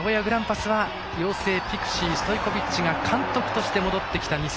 名古屋グランパスはピクシー、ストイコビッチ監督が引っ張ってきた